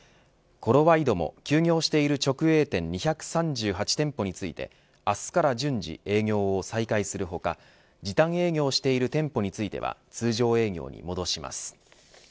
コロワイドも休業している直営店２３８店舗について明日から順次営業を再開する他時短営業している店舗については通常営業に戻します。